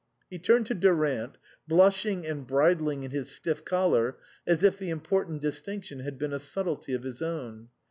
He turned to Durant, blushing and bridling in his stiff collar as if the important distinction had been a subtlety of his own.